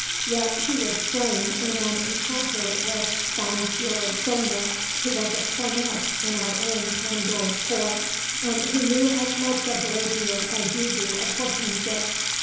Yet was he slain in an encounter with Fahnfuhrer Zollner, who was a cornet in our own Pandour corps, and who knew as much of the rapier as you do of horsemanship.